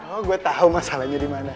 oh gue tahu masalahnya di mana